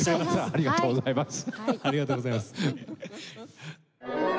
ありがとうございます。